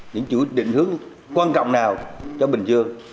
những định hướng quan trọng nào cho bình dương